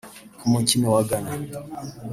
ku mukino wa Ghana